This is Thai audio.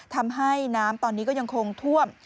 ทำให้น้ำตอนนี้ก็ยังคงท่วม